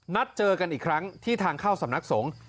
นัดเจอกันอีกครั้งที่ทางเข้าสำนักสงฆ์